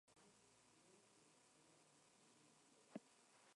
Basketball-Colorado" concedido al mejor jugador universitario del estado.